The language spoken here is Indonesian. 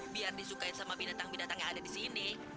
biar disukai sama binatang binatang yang ada di sini